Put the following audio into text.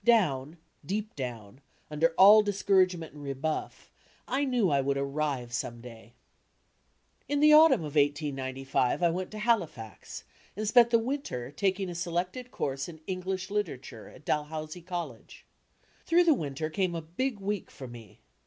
Down, deep down, under all discouragement and rebuflF, I knew I would "arrive" some day. In the autumn of 1895 I went to Halifax and spent the winter taking a selected course in English literature at Oal housie College. Through the winter came a "Big Week" for me.